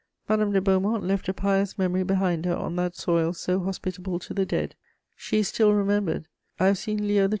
Madame de Beaumont left a pious memory behind her on that soil so hospitable to the dead; she is still remembered: I have seen Leo XII.